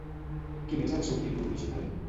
Quin és el seu títol original?